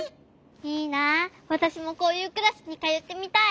いいなわたしもこういうクラスにかよってみたい。